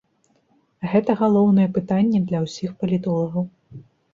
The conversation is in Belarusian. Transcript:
Гэта галоўнае пытанне для ўсіх палітолагаў.